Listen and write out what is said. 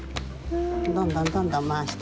どんどんどんどんまわして。